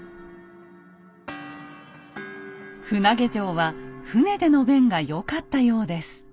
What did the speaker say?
船上城は船での便が良かったようです。